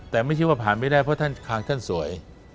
แต่ไม่คิดว่าผ่านไม่ได้เพราะท่านคางท่านสวย